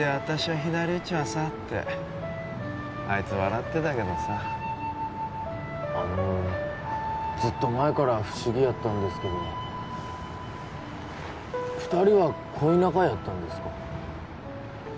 左うちわさってあいつ笑ってたけどさあのずっと前から不思議やったんですけど二人は恋仲やったんですか？